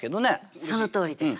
そのとおりです。